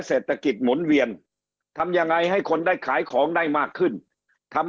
เศรษฐกิจหมุนเวียนทำยังไงให้คนได้ขายของได้มากขึ้นทำ